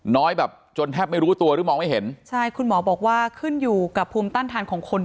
แบบจนแทบไม่รู้ตัวหรือมองไม่เห็นใช่คุณหมอบอกว่าขึ้นอยู่กับภูมิต้านทานของคน